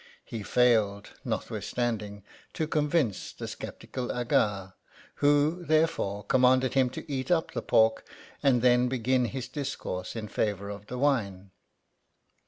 He failed, notwithstanding, to convince the sceptical Aga, who, therefore, commanded him to eat up the pork, and then begin his discourse in favour of the wine.